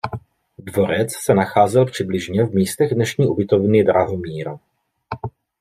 Dvorec se nacházel přibližně v místech dnešní ubytovny Drahomíra.